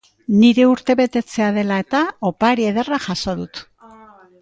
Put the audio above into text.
Nire urtebetetzea dela eta opari ederra jaso dut